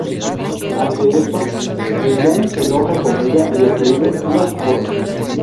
Ante esto, Lillian se enoja con ella y le prohíbe ir a su boda.